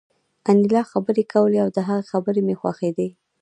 انیلا خبرې کولې او د هغې خبرې مې خوښېدې